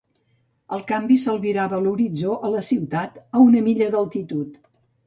El canvi s'albirava a l'horitzó a la ciutat a una milla d'altitud.